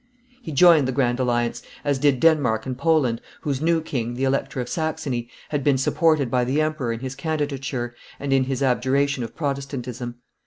He joined the Grand Alliance, as did Denmark and Poland, whose new king, the Elector of Saxony, had been supported by the emperor in his candidature and in his abjuration of Protestantism.